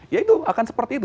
ya itu akan seperti itu